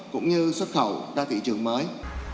cũng như xuất khẩu ra thị trường mới